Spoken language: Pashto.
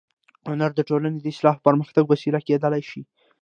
هنر د ټولنې د اصلاح او پرمختګ وسیله کېدای شي